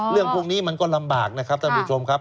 เรื่องพวกนี้มันก็ลำบากนะครับท่านผู้ชมครับ